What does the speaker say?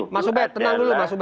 mas ubed tenang dulu